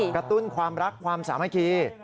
กระตุ้นความรักความสามัคคี